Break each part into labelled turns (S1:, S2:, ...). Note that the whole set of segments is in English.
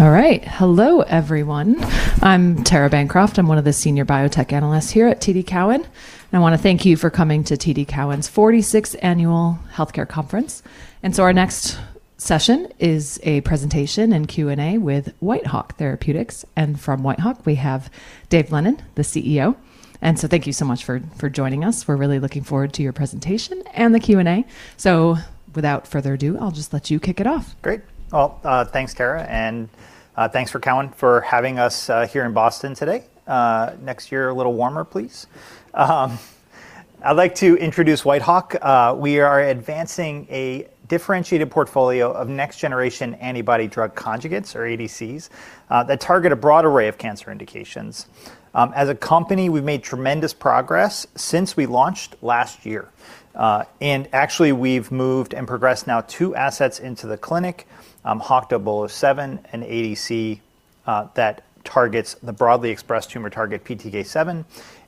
S1: All right. Hello, everyone. I'm Tara Bancroft. I'm one of the Senior Biotech Analysts here at TD Cowen. I want to thank you for coming to TD Cowen's 46th Annual Healthcare Conference. Our next session is a presentation and Q&A with Whitehawk Therapeutics. From Whitehawk, we have Dave Lennon, the CEO. Thank you so much for joining us. We're really looking forward to your presentation and the Q&A. Without further ado, I'll just let you kick it off.
S2: Great. Well, thanks, Tara, and thanks for Cowen for having us here in Boston today. Next year, a little warmer, please. I'd like to introduce Whitehawk. We are advancing a differentiated portfolio of next-generation antibody-drug conjugates, or ADCs, that target a broad array of cancer indications. As a company, we've made tremendous progress since we launched last year. Actually, we've moved and progressed now two assets into the clinic, HWK-007, an ADC, that targets the broadly expressed tumor target PTK7,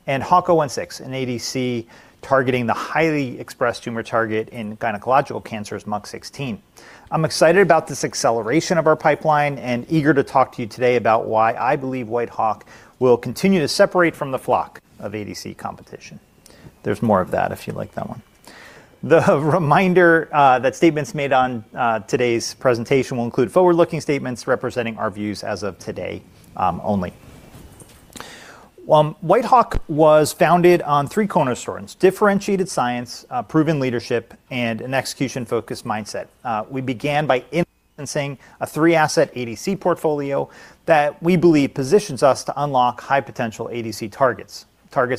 S2: and HWK-016, an ADC targeting the highly expressed tumor target in gynecological cancers, MUC16. I'm excited about this acceleration of our pipeline and eager to talk to you today about why I believe Whitehawk will continue to separate from the flock of ADC competition. There's more of that if you like that one. The reminder that statements made on today's presentation will include forward-looking statements representing our views as of today, only. Whitehawk was founded on three cornerstones, differentiated science, proven leadership, and an execution-focused mindset. We began by in-licensing a three-asset ADC portfolio that we believe positions us to unlock high-potential ADC targets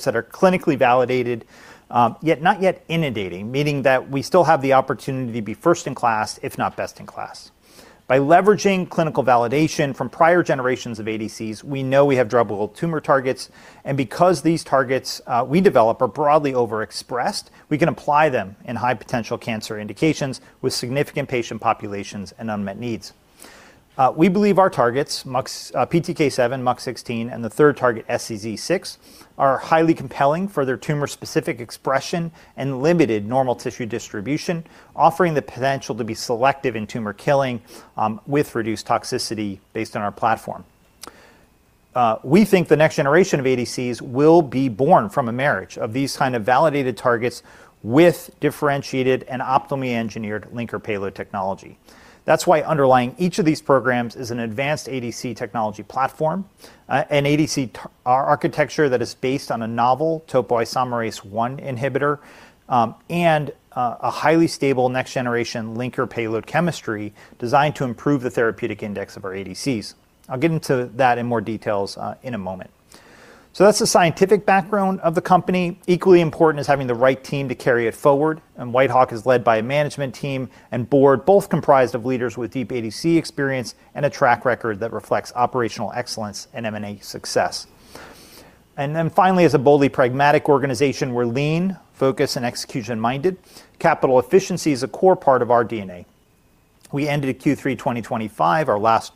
S2: that are clinically validated, yet not yet inundating, meaning that we still have the opportunity to be first in class, if not best in class. By leveraging clinical validation from prior generations of ADCs, we know we have druggable tumor targets, and because these targets, we develop are broadly overexpressed, we can apply them in high-potential cancer indications with significant patient populations and unmet needs. We believe our targets, PTK7, MUC16, and the third target, SEZ6, are highly compelling for their tumor-specific expression and limited normal tissue distribution, offering the potential to be selective in tumor killing with reduced toxicity based on our platform. We think the next generation of ADCs will be born from a marriage of these kind of validated targets with differentiated and optimally engineered linker payload technology. That's why underlying each of these programs is an advanced ADC technology platform, an ADC architecture that is based on a novel topoisomerase I inhibitor, and a highly stable next-generation linker payload chemistry designed to improve the therapeutic index of our ADCs. I'll get into that in more details in a moment. That's the scientific background of the company. Equally important is having the right team to carry it forward, Whitehawk is led by a management team and board both comprised of leaders with deep ADC experience and a track record that reflects operational excellence and M&A success. Finally, as a boldly pragmatic organization, we're lean, focused, and execution-minded. Capital efficiency is a core part of our DNA. We ended Q3 2025, our last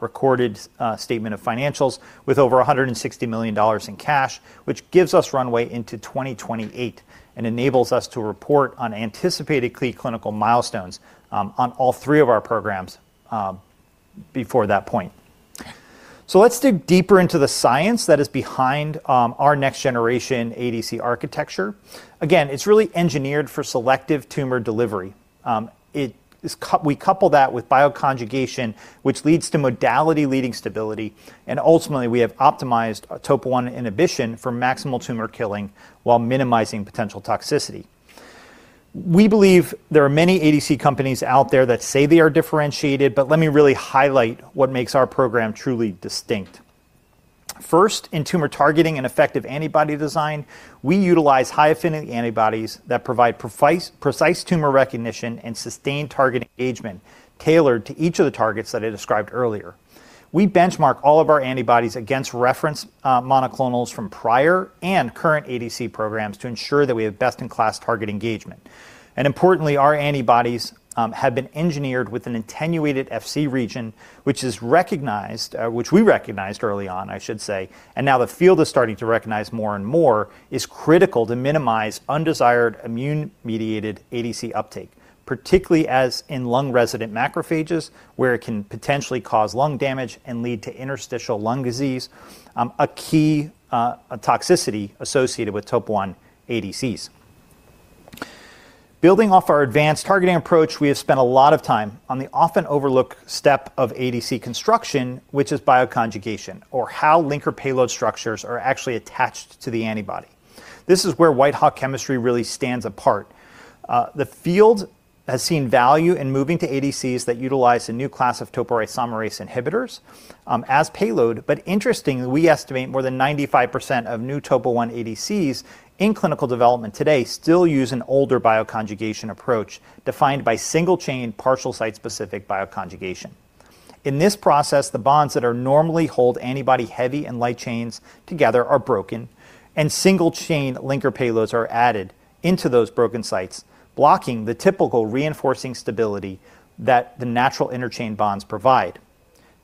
S2: recorded statement of financials, with over $160 million in cash, which gives us runway into 2028 and enables us to report on anticipated clinical milestones on all three of our programs before that point. Let's dig deeper into the science that is behind our next-generation ADC architecture. Again, it's really engineered for selective tumor delivery. It is we couple that with bioconjugation, which leads to modality-leading stability. Ultimately, we have optimized a TOPO1 inhibition for maximal tumor killing while minimizing potential toxicity. We believe there are many ADC companies out there that say they are differentiated. Let me really highlight what makes our program truly distinct. First, in tumor targeting and effective antibody design, we utilize high-affinity antibodies that provide precise tumor recognition and sustained target engagement tailored to each of the targets that I described earlier. We benchmark all of our antibodies against reference monoclonals from prior and current ADC programs to ensure that we have best-in-class target engagement. Importantly, our antibodies have been engineered with an attenuated Fc region, which is recognized, which we recognized early on, I should say, and now the field is starting to recognize more and more, is critical to minimize undesired immune-mediated ADC uptake, particularly as in lung-resident macrophages, where it can potentially cause lung damage and lead to interstitial lung disease, a key toxicity associated with topo one ADCs. Building off our advanced targeting approach, we have spent a lot of time on the often-overlooked step of ADC construction, which is bioconjugation or how linker-payload structures are actually attached to the antibody. This is where Whitehawk chemistry really stands apart. The field has seen value in moving to ADCs that utilize a new class of topoisomerase inhibitors as payload. Interestingly, we estimate more than 95% of new TOP1 ADCs in clinical development today still use an older bioconjugation approach defined by single-chain partial site-specific bioconjugation. In this process, the bonds normally hold antibody heavy and light chains together are broken, and single-chain linker payloads are added into those broken sites, blocking the typical reinforcing stability that the natural interchain bonds provide.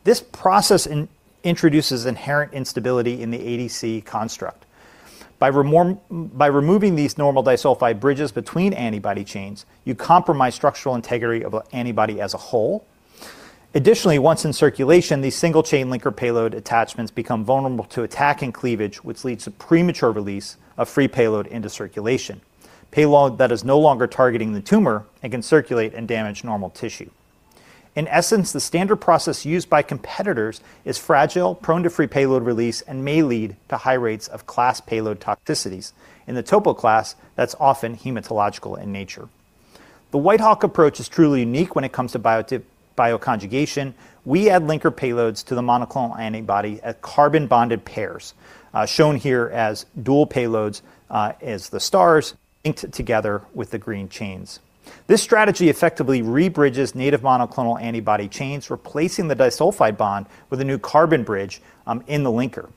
S2: This process introduces inherent instability in the ADC construct. By removing these normal disulfide bridges between antibody chains, you compromise structural integrity of a antibody as a whole. Additionally, once in circulation, these single-chain linker payload attachments become vulnerable to attack and cleavage, which leads to premature release of free payload into circulation, payload that is no longer targeting the tumor and can circulate and damage normal tissue. In essence, the standard process used by competitors is fragile, prone to free payload release, and may lead to high rates of class payload toxicities. In the topo class, that's often hematological in nature. The Whitehawk approach is truly unique when it comes to bioconjugation. We add linker payloads to the monoclonal antibody at carbon-bonded pairs, shown here as dual payloads, as the stars inked together with the green chains. This strategy effectively re-bridges native monoclonal antibody chains, replacing the disulfide bond with a new carbon bridge in the linker.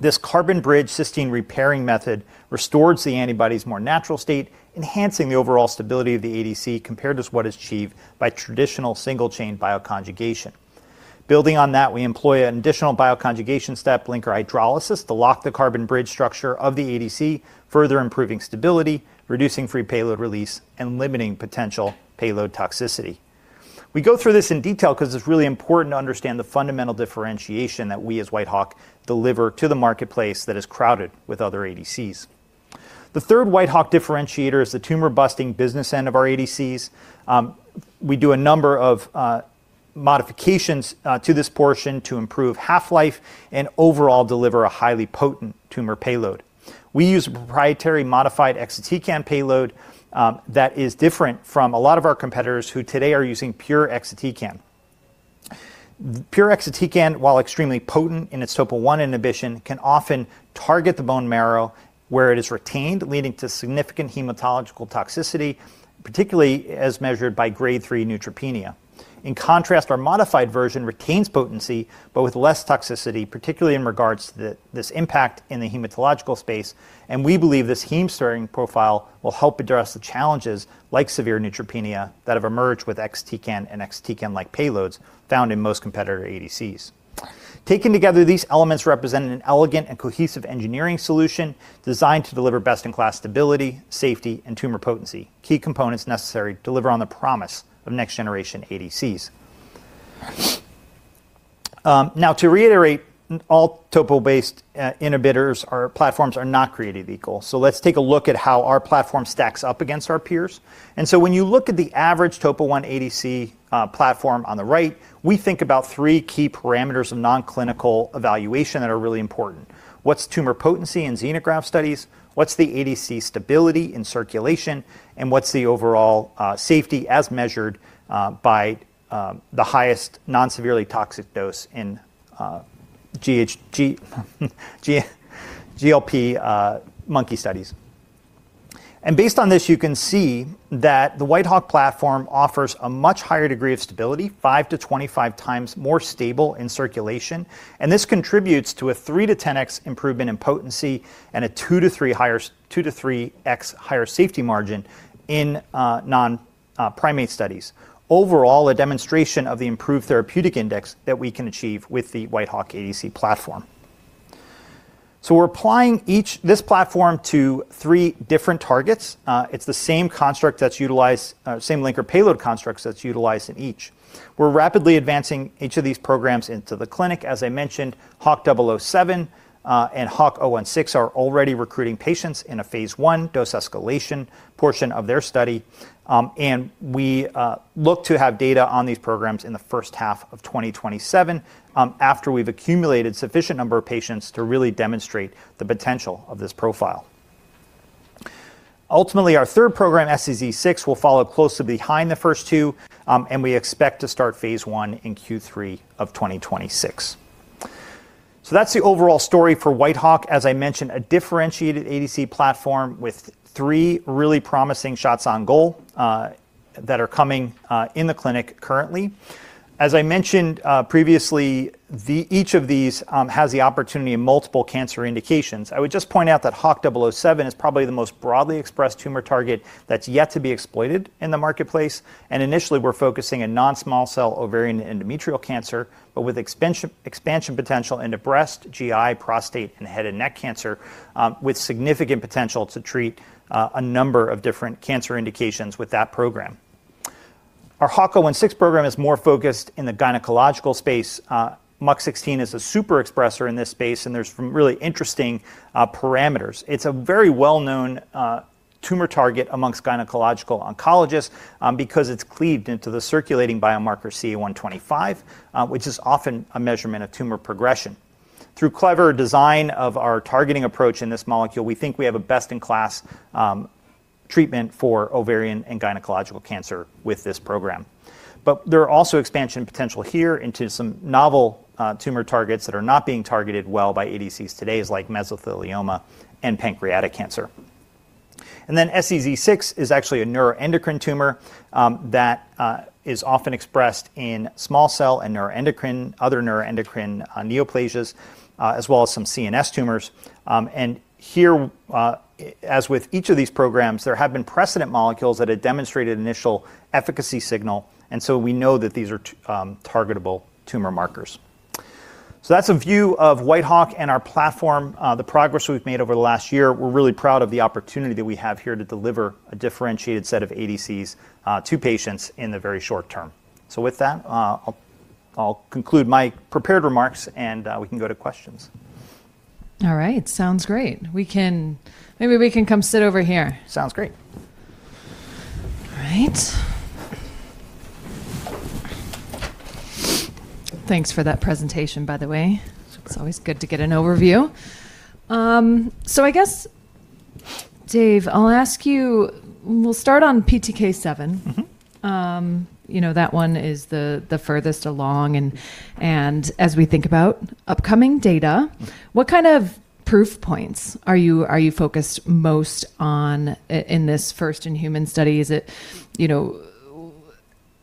S2: This carbon-bridge cysteine re-pairing method restores the antibody's more natural state, enhancing the overall stability of the ADC compared with what is achieved by traditional single-chain bioconjugation. Building on that, we employ an additional bioconjugation step, linker hydrolysis, to lock the carbon-bridge structure of the ADC, further improving stability, reducing free payload release, and limiting potential payload toxicity. We go through this in detail 'cause it's really important to understand the fundamental differentiation that we, as Whitehawk, deliver to the marketplace that is crowded with other ADCs. The third Whitehawk differentiator is the tumor-busting business end of our ADCs. We do a number of modifications to this portion to improve half-life and overall deliver a highly potent tumor payload. We use proprietary modified exatecan payload that is different from a lot of our competitors who today are using pure exatecan. Pure exatecan, while extremely potent in its TOP1 inhibition, can often target the bone marrow where it is retained, leading to significant hematological toxicity, particularly as measured by grade III neutropenia. In contrast, our modified version retains potency but with less toxicity, particularly in regards to this impact in the hematological space, and we believe this heme-sparing profile will help address the challenges like severe neutropenia that have emerged with exatecan and exatecan-like payloads found in most competitor ADCs. Taken together, these elements represent an elegant and cohesive engineering solution designed to deliver best-in-class stability, safety, and tumor potency, key components necessary to deliver on the promise of next-generation ADCs. Now to reiterate, all TOP1-based inhibitors or platforms are not created equal. Let's take a look at how our platform stacks up against our peers. When you look at the average TOP1 ADC platform on the right, we think about three key parameters of non-clinical evaluation that are really important. What's tumor potency in xenograft studies? What's the ADC stability in circulation? What's the overall safety as measured by the highest non-severely toxic dose in GLP monkey studies? Based on this, you can see that the Whitehawk platform offers a much higher degree of stability, 5-25 times more stable in circulation, and this contributes to a 3-10x improvement in potency and a 2-3x higher safety margin in non-primate studies. Overall, a demonstration of the improved therapeutic index that we can achieve with the Whitehawk ADC platform. We're applying this platform to three different targets. It's the same construct that's utilized, same linker-payload constructs that's utilized in each. We're rapidly advancing each of these programs into the clinic. As I mentioned, HWK-007 and HWK-016 are already recruiting patients in a phase I dose escalation portion of their study. And we look to have data on these programs in the first half of 2027 after we've accumulated sufficient number of patients to really demonstrate the potential of this profile. Ultimately, our third program, SEZ6, will follow closely behind the first two, and we expect to start phase I in Q3 of 2026. That's the overall story for Whitehawk. As I mentioned, a differentiated ADC platform with three really promising shots on goal that are coming in the clinic currently. As I mentioned, previously, each of these has the opportunity in multiple cancer indications. I would just point out that HWK-007 is probably the most broadly expressed tumor target that's yet to be exploited in the marketplace. Initially, we're focusing on non-small cell ovarian and endometrial cancer, but with expansion potential into breast, GI, prostate, and head and neck cancer, with significant potential to treat a number of different cancer indications with that program. Our HWK-016 program is more focused in the gynecological space. MUC16 is a super expresser in this space, and there's some really interesting parameters. It's a very well-known tumor target amongst gynecological oncologists, because it's cleaved into the circulating biomarker CA-125, which is often a measurement of tumor progression. Through clever design of our targeting approach in this molecule, we think we have a best-in-class treatment for ovarian and gynecological cancer with this program. There are also expansion potential here into some novel tumor targets that are not being targeted well by ADCs today, is like mesothelioma and pancreatic cancer. SEZ6 is actually a neuroendocrine tumor that is often expressed in small cell and neuroendocrine, other neuroendocrine neoplasias, as well as some CNS tumors. Here, as with each of these programs, there have been precedent molecules that had demonstrated initial efficacy signal, so we know that these are targetable tumor markers. That's a view of Whitehawk and our platform, the progress we've made over the last year. We're really proud of the opportunity that we have here to deliver a differentiated set of ADCs to patients in the very short term. With that, I'll conclude my prepared remarks and we can go to questions.
S1: All right. Sounds great. Maybe we can come sit over here.
S2: Sounds great.
S1: All right. Thanks for that presentation, by the way. It's always good to get an overview. I guess, Dave, I'll ask you, we'll start on PTK7.
S2: Mm-hmm.
S1: You know, that one is the furthest along and as we think about upcoming data, what kind of proof points are you focused most on in this first in-human study? Is it, you know,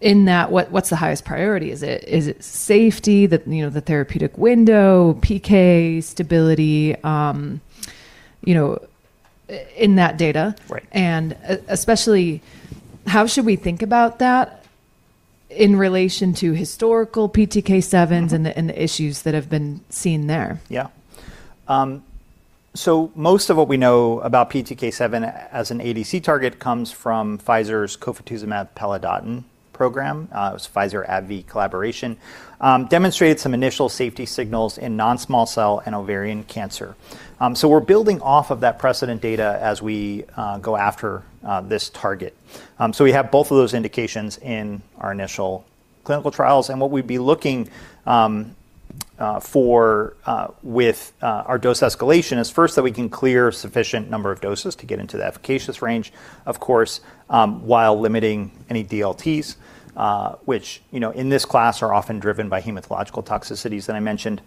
S1: what's the highest priority? Is it safety? you know, the therapeutic window, PK, stability, you know, in that data?
S2: Right.
S1: especially how should we think about that in relation to historical PTK7s?
S2: Mm-hmm
S1: ...and the issues that have been seen there?
S2: Yeah. Most of what we know about PTK7 as an ADC target comes from Pfizer's Cofetuzumab pelidotin program. It was Pfizer-AbbVie collaboration. Demonstrated some initial safety signals in non-small cell and ovarian cancer. We're building off of that precedent data as we go after this target. We have both of those indications in our initial clinical trials, and what we'd be looking for with our dose escalation is first that we can clear sufficient number of doses to get into the efficacious range, of course, while limiting any DLTs, which, you know, in this class are often driven by hematological toxicities that I mentioned.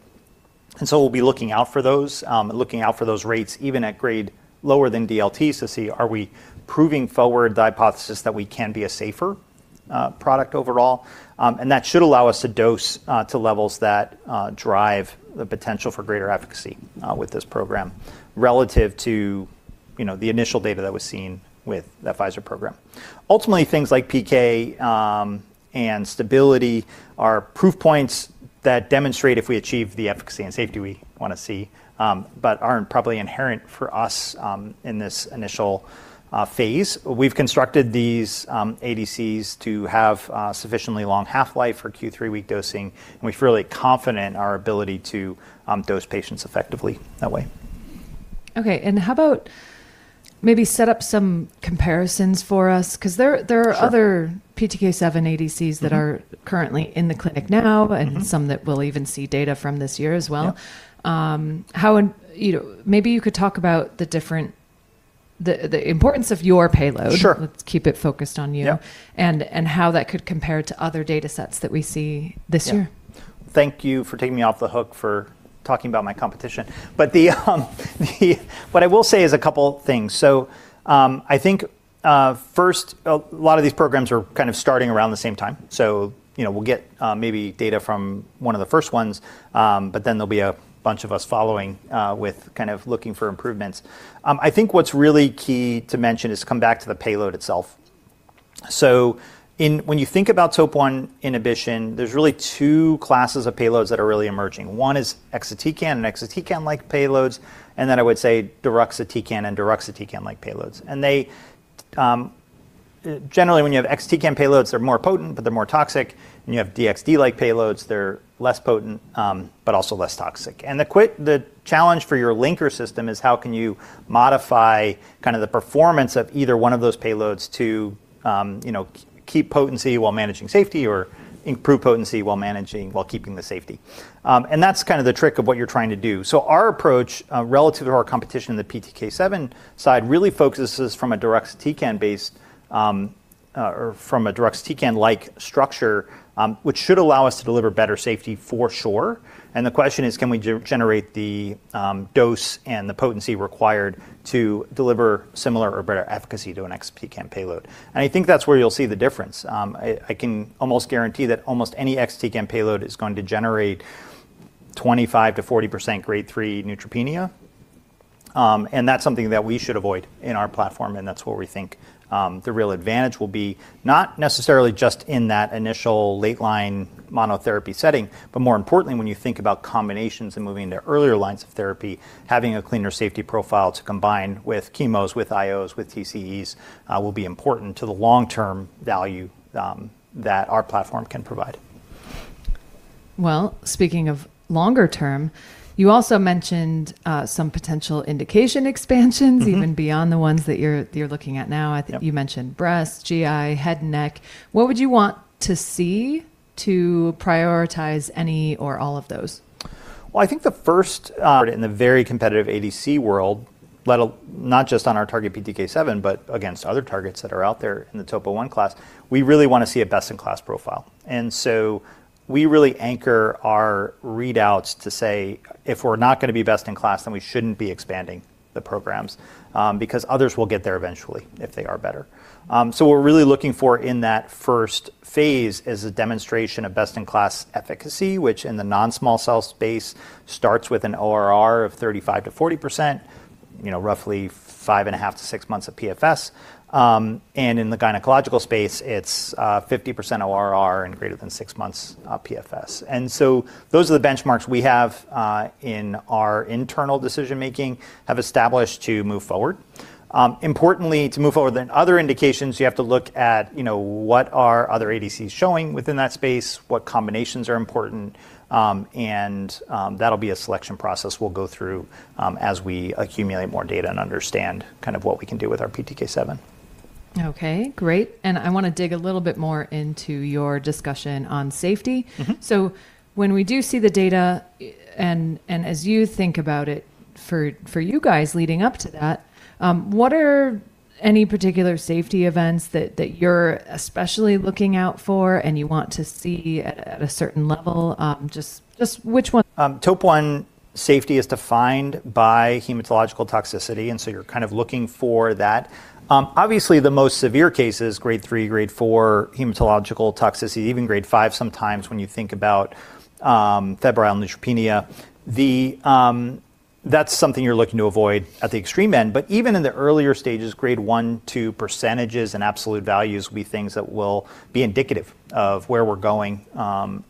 S2: We'll be looking out for those, looking out for those rates even at grade lower than DLT to see are we proving forward the hypothesis that we can be a safer product overall. That should allow us to dose to levels that drive the potential for greater efficacy with this program relative to, you know, the initial data that was seen with the Pfizer program. Ultimately, things like PK, and stability are proof points that demonstrate if we achieve the efficacy and safety we wanna see, but aren't probably inherent for us in this initial phase. We've constructed these ADCs to have sufficiently long half-life for Q3-week dosing, and we feel really confident in our ability to dose patients effectively that way.
S1: Okay. How about maybe set up some comparisons for us? 'Cause there.
S2: Sure
S1: ...other PTK7 ADCs that are currently in the clinic now-
S2: Mm-hmm
S1: ...and some that we'll even see data from this year as well.
S2: Yep.
S1: You know, maybe you could talk about the different... The importance of your payload?
S2: Sure.
S1: Let's keep it focused on you.
S2: Yeah
S1: How that could compare to other data sets that we see this year?
S2: Yeah. Thank you for taking me off the hook for talking about my competition. What I will say is a couple things. I think first a lot of these programs are kind of starting around the same time. You know, we'll get maybe data from one of the first ones. There'll be a bunch of us following with kind of looking for improvements. I think what's really key to mention is to come back to the payload itself. When you think about TOP1 inhibition, there's really two classes of payloads that are really emerging. One is exatecan and exatecan-like payloads. I would say deruxtecan and deruxtecan-like payloads. Generally, when you have exatecan payloads, they're more potent, but they're more toxic. When you have DXd-like payloads, they're less potent, but also less toxic. The challenge for your linker system is how can you modify kind of the performance of either one of those payloads to, you know, keep potency while managing safety or improve potency while keeping the safety. That's kind of the trick of what you're trying to do. Our approach relative to our competition in the PTK7 side really focuses from a deruxtecan-based or from a deruxtecan-like structure, which should allow us to deliver better safety for sure. The question is: Can we generate the dose and the potency required to deliver similar or better efficacy to an exatecan payload? I think that's where you'll see the difference. I can almost guarantee that almost any exatecan payload is going to generate 25%-40% Grade III neutropenia. That's something that we should avoid in our platform, and that's where we think, the real advantage will be, not necessarily just in that initial late-line monotherapy setting, but more importantly, when you think about combinations and moving into earlier lines of therapy, having a cleaner safety profile to combine with chemos, with IOs, with TCEs, will be important to the long-term value, that our platform can provide.
S1: Well, speaking of longer term, you also mentioned, some potential indication expansions.
S2: Mm-hmm
S1: ...even beyond the ones that you're looking at now.
S2: Yep.
S1: I think you mentioned breast, GI, head and neck. What would you want to see to prioritize any or all of those?
S2: Well, I think the first order in the very competitive ADC world, not just on our target PTK7, but against other targets that are out there in the TOP1 class, we really want to see a best-in-class profile. We really anchor our readouts to say, if we're not gonna be best in class, then we shouldn't be expanding the programs, because others will get there eventually if they are better. What we're really looking for in that first phase is a demonstration of best-in-class efficacy, which in the non-small cell space starts with an ORR of 35%-40%, you know, roughly five and a half-six months of PFS. In the gynecological space, it's 50% ORR and greater than six months PFS. Those are the benchmarks we have in our internal decision-making, have established to move forward. Importantly, to move forward in other indications, you have to look at, you know, what are other ADCs showing within that space, what combinations are important, and that'll be a selection process we'll go through as we accumulate more data and understand kind of what we can do with our PTK7.
S1: Okay, great. I wanna dig a little bit more into your discussion on safety.
S2: Mm-hmm.
S1: When we do see the data and as you think about it for you guys leading up to that, what are any particular safety events that you're especially looking out for and you want to see at a certain level? just which one?
S2: TOP1 safety is defined by hematological toxicity, you're kind of looking for that. Obviously the most severe cases, grade 3, grade 4 hematological toxicity, even grade 5 sometimes when you think about febrile neutropenia, that's something you're looking to avoid at the extreme end. Even in the earlier stages, grade 1, 2 % and absolute values will be things that will be indicative of where we're going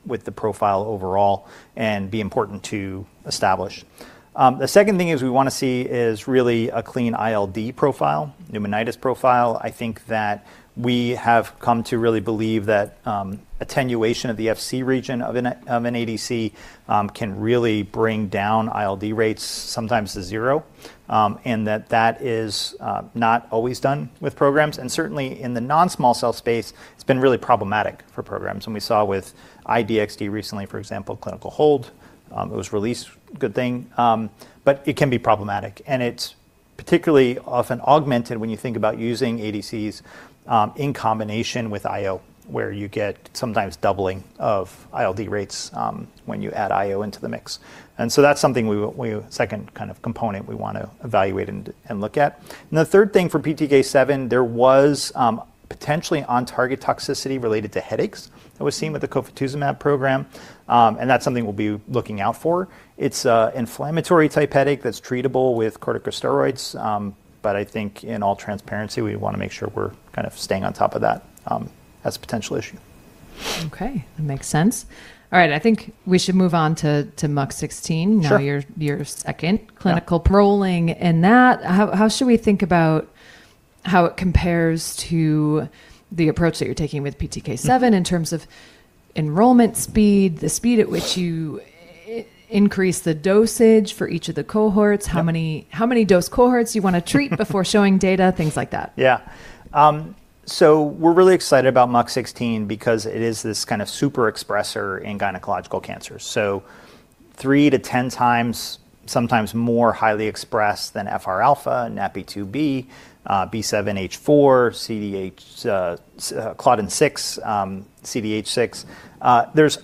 S2: with the profile overall and be important to establish. The second thing is we wanna see is really a clean ILD profile, pneumonitis profile. I think that we have come to really believe that attenuation of the Fc region of an ADC can really bring down ILD rates sometimes to zero, that that is not always done with programs. Certainly in the non-small cell space, it's been really problematic for programs. We saw with I-DXd recently, for example, clinical hold, it was released, good thing, but it can be problematic, and it's particularly often augmented when you think about using ADCs in combination with IO, where you get sometimes doubling of ILD rates when you add IO into the mix. That's something we second kind of component we wanna evaluate and look at. The third thing for PTK7, there was potentially on target toxicity related to headaches that was seen with the Cofetuzumab program, and that's something we'll be looking out for. It's a inflammatory type headache that's treatable with corticosteroids, but I think in all transparency, we wanna make sure we're kind of staying on top of that, as a potential issue.
S1: Okay, that makes sense. All right, I think we should move on to MUC16.
S2: Sure.
S1: Now your second-
S2: Yeah...
S1: clinical paroling in that. How should we think about how it compares to the approach that you're taking with PTK7 in terms of enrollment speed, the speed at which you increase the dosage for each of the cohorts-
S2: Yeah...
S1: how many dose cohorts you wanna treat before showing data, things like that?
S2: We're really excited about MUC16 because it is this kind of super expressor in gynecological cancers. three-10 times, sometimes more highly expressed than FR-alpha, NaPi2b, B7H4, CDH, Claudin-6, CDH6. There's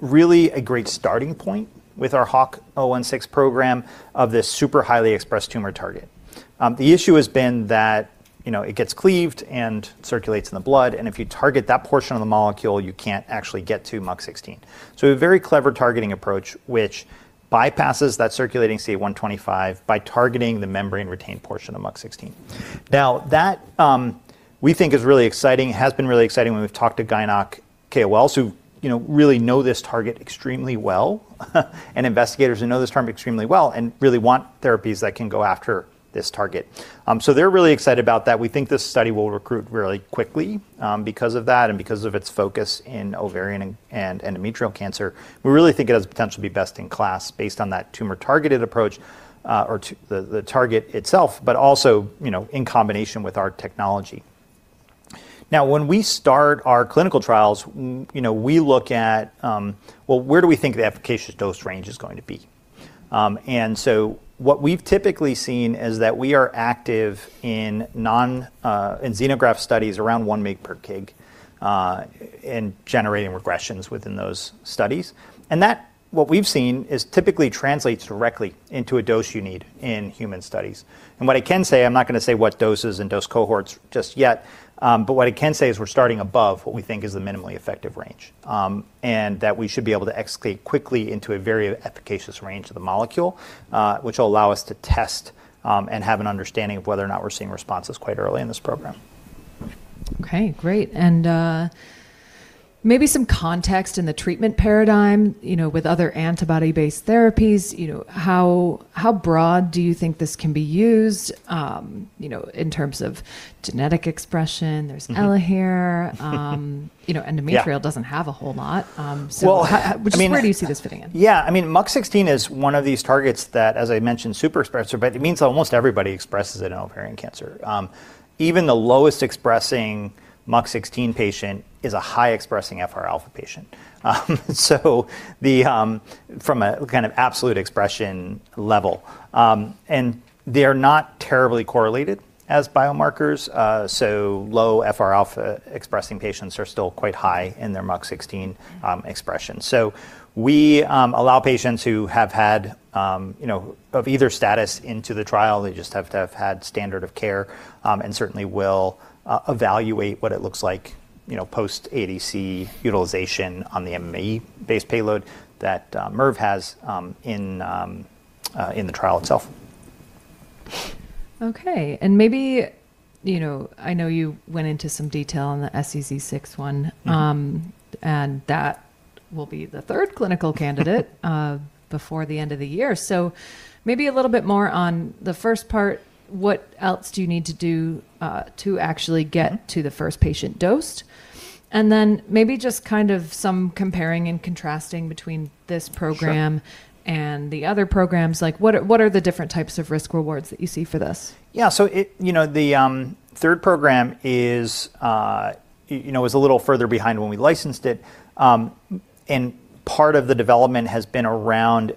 S2: really a great starting point with our HWK-016 program of this super highly expressed tumor target. The issue has been that, you know, it gets cleaved and circulates in the blood, and if you target that portion of the molecule, you can't actually get to MUC16. A very clever targeting approach which bypasses that circulating CA-125 by targeting the membrane retained portion of MUC16. Now that we think is really exciting, has been really exciting when we've talked to Gyn-onc KOLs who, you know, really know this target extremely well and investigators who know this target extremely well and really want therapies that can go after this target. They're really excited about that. We think this study will recruit really quickly because of that and because of its focus in ovarian and endometrial cancer. We really think it has potential to be best in class based on that tumor-targeted approach, or the target itself, but also, you know, in combination with our technology. Now, when we start our clinical trials, you know, we look at, well, where do we think the efficacious dose range is going to be? What we've typically seen is that we are active in non, in xenograft studies around 1 mg per kg, in generating regressions within those studies. That, what we've seen is typically translates directly into a dose you need in human studies. What I can say, I'm not gonna say what doses and dose cohorts just yet, but what I can say is we're starting above what we think is the minimally effective range, and that we should be able to escalate quickly into a very efficacious range of the molecule, which will allow us to test and have an understanding of whether or not we're seeing responses quite early in this program.
S1: Okay, great. Maybe some context in the treatment paradigm, you know, with other antibody-based therapies, you know, how broad do you think this can be used, you know, in terms of genetic expression?
S2: Mm-hmm.
S1: There's ELAHERE, you know.
S2: Yeah...
S1: endometrial doesn't have a whole lot.
S2: Well, I mean.
S1: Where do you see this fitting in?
S2: Yeah, I mean, MUC16 is one of these targets that, as I mentioned, super expressor, but it means almost everybody expresses it in ovarian cancer. Even the lowest expressing MUC16 patient is a high expressing FR-alpha patient. From a kind of absolute expression level, and they are not terribly correlated as biomarkers. Low FR-alpha expressing patients are still quite high in their MUC16 expression. We allow patients who have had, you know, of either status into the trial. They just have to have had standard of care, and certainly will evaluate what it looks like, you know, post ADC utilization on the MMAE based payload that Mirv has in the trial itself.
S1: Okay. Maybe you know, I know you went into some detail on the SEZ6.
S2: Mm-hmm...
S1: and that will be the third clinical candidate before the end of the year. Maybe a little bit more on the first part, what else do you need to do to actually get to the first patient dosed? Then maybe just kind of some comparing and contrasting between this program?
S2: Sure...
S1: the other programs. Like what are the different types of risk rewards that you see for this?
S2: Yeah. You know, the third program is, you know, is a little further behind when we licensed it. Part of the development has been around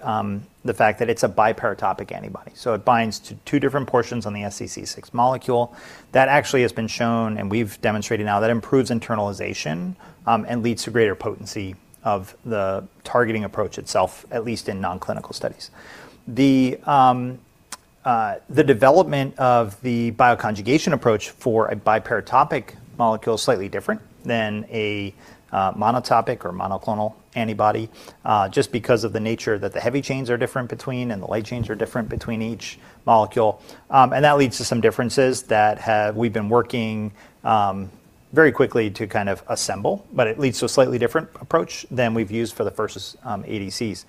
S2: the fact that it's a biparotopic antibody, so it binds to two different portions on the SEZ6 molecule. That actually has been shown, we've demonstrated now, that improves internalization and leads to greater potency of the targeting approach itself, at least in non-clinical studies. The development of the bioconjugation approach for a biparotopic molecule is slightly different than a monotopic or monoclonal antibody, just because of the nature that the heavy chains are different between, and the light chains are different between each molecule. That leads to some differences that have... we've been working very quickly to kind of assemble, but it leads to a slightly different approach than we've used for the first ADCs.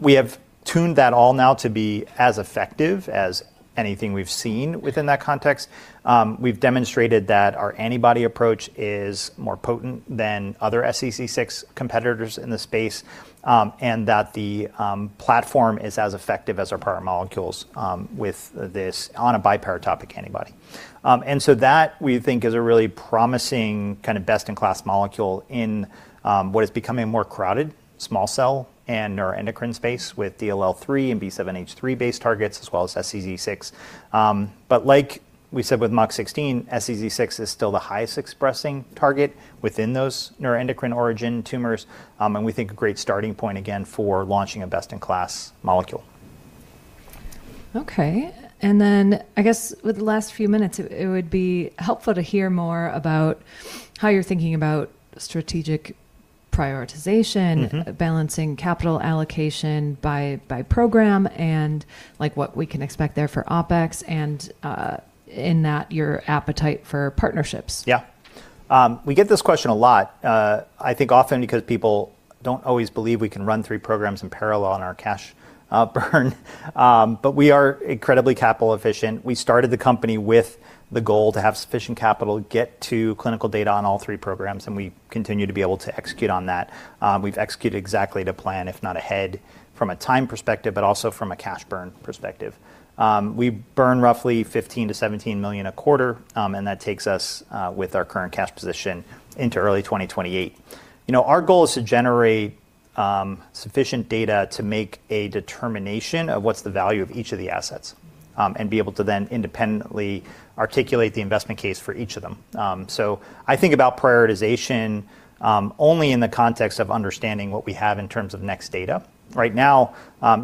S2: We have tuned that all now to be as effective as anything we've seen within that context. We've demonstrated that our antibody approach is more potent than other SEZ6 competitors in the space, and that the platform is as effective as our parent molecules with this on a biparotopic antibody. That we think is a really promising kind of best-in-class molecule in what is becoming a more crowded small cell and neuroendocrine space with DLL3 and B7H3-based targets, as well as SEZ6. Like we said with MUC16, SEZ6 is still the highest expressing target within those neuroendocrine origin tumors, and we think a great starting point, again, for launching a best-in-class molecule.
S1: Okay. I guess with the last few minutes, it would be helpful to hear more about how you're thinking about strategic prioritization.
S2: Mm-hmm...
S1: balancing capital allocation by program, and like what we can expect there for OpEx and in that your appetite for partnerships?
S2: Yeah. We get this question a lot, I think often because people don't always believe we can run three programs in parallel on our cash burn. We are incredibly capital efficient. We started the company with the goal to have sufficient capital get to clinical data on all three programs. We continue to be able to execute on that. We've executed exactly to plan, if not ahead, from a time perspective, but also from a cash burn perspective. We burn roughly $15 million-$17 million a quarter. That takes us with our current cash position into early 2028. You know, our goal is to generate sufficient data to make a determination of what's the value of each of the assets. Be able to then independently articulate the investment case for each of them. I think about prioritization only in the context of understanding what we have in terms of next data. Right now,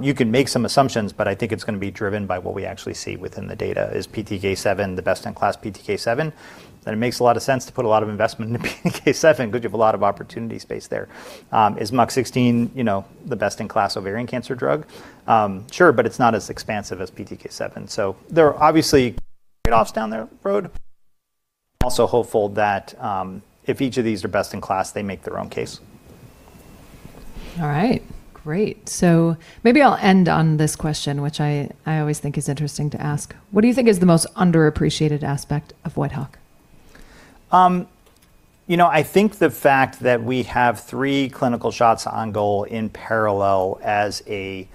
S2: you can make some assumptions, but I think it's gonna be driven by what we actually see within the data. Is PTK7 the best-in-class PTK7? It makes a lot of sense to put a lot of investment into PTK7 because you have a lot of opportunity space there. Is MUC16, you know, the best-in-class ovarian cancer drug? Sure, but it's not as expansive as PTK7. There are obviously trade-offs down the road. Also hopeful that, if each of these are best in class, they make their own case.
S1: All right. Great. Maybe I'll end on this question, which I always think is interesting to ask. What do you think is the most underappreciated aspect of Whitehawk?
S2: You know, I think the fact that we have three clinical shots on goal in parallel as a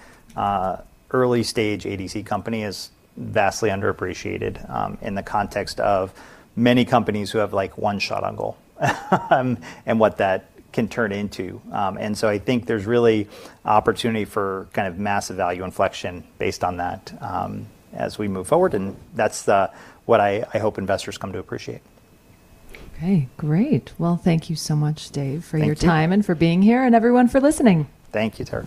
S2: early-stage ADC company is vastly underappreciated, in the context of many companies who have, like, one shot on goal and what that can turn into. I think there's really opportunity for kind of massive value inflection based on that, as we move forward, and that's the, what I hope investors come to appreciate.
S1: Okay. Great. Well, thank you so much, Dave.
S2: Thank you....
S1: for your time and for being here, and everyone for listening.
S2: Thank you, Tara.